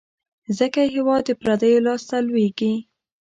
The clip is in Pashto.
ځکه یې هیواد د پردیو لاس ته لوېږي.